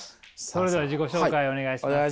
それでは自己紹介お願いします。